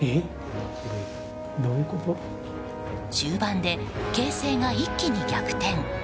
終盤で、形勢が一気に逆転。